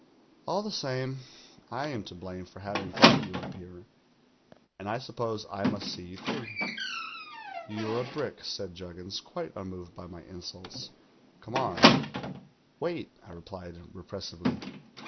All the same, I am to blame for having brought you up here, and I suppose I must see you through.' '"You're a brick,' said Juggins, quite unn:oved by my insults. 'Come on.' "'Wait,' I replied repressively.